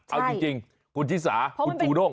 เอาจริงคุณชิสาคุณจูด้ง